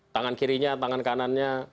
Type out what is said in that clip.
tangan kirinya tangan kanannya